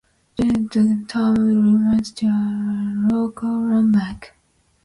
Julien Dubuque's tomb remains a local landmark.